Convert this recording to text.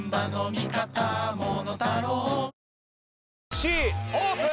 Ｃオープン！